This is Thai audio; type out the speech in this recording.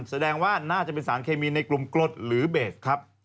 แสดงว่าน่าจะเป็นสารเคมีในกลุ่มกรดหรือเบสครับ